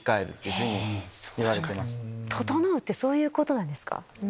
ととのうってそういうことなんですか？